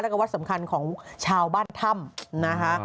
แล้วก็วัดสำคัญของชาวบ้านถ้ำนะคะ